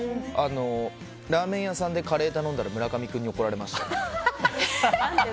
ラーメン屋さんでカレー頼んだら村上君に怒られました。